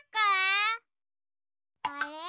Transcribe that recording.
あれ？